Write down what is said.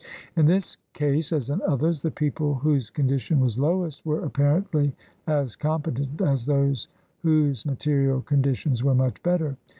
In this case, as in others, the people whose condition was lowest were apparently as competent as those whose material conditions were much better.